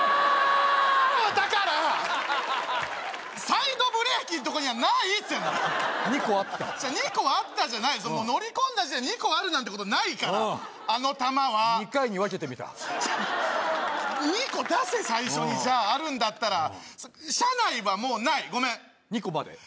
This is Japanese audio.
サイドブレーキのとこにはないっつってんの２個あった２個あったじゃない乗り込んだ時点で２個あるなんてことないからあの球は２回に分けてみた２個出せ最初にじゃああるんだったら車内はもうないごめん２個まで？